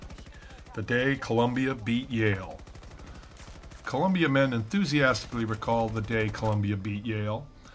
THE DAY COLUMBIA BEAT YALE Columbia men enthusiastically recall the day Columbia beat Yale.